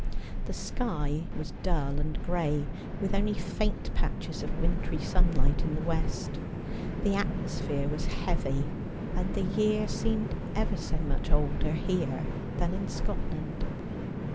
The sky was dull and gray, with only faint patches of wintry sunlight in the west ; the atmosphere was heavy ; and the year seemed ever so much older here than in Scotland.